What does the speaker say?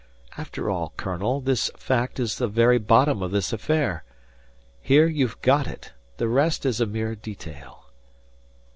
After all, colonel, this fact is the very bottom of this affair. Here you've got it. The rest is a mere detail...."